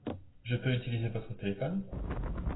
Je peux utiliser votre téléphone ?